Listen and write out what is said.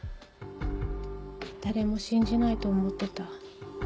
誰も信じないと思ってた。